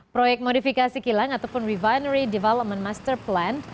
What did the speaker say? proyek modifikasi kilang ataupun refinery development master plan